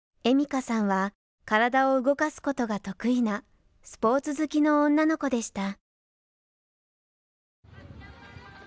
花さんは体を動かすことが得意なスポーツ好きの女の子でした。